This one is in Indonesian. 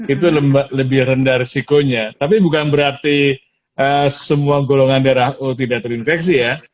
itu lebih rendah risikonya tapi bukan berarti semua golongan darah o tidak terinfeksi ya